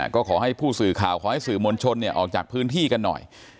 ก็ขอให้ผู้สื่อข่าวขอให้สื่อมวลชนออกจากพื้นที่กันหน่อย